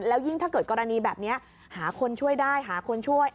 แล้วยิ่งถ้าเกิดกรณีแบบนี้หาคนช่วยได้หาคนช่วย